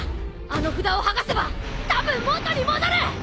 あの札を剥がせばたぶん元に戻る！